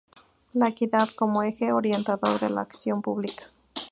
La equidad como eje orientador de la acción pública.